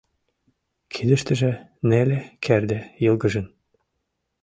Кидыштыже неле керде йылгыжын.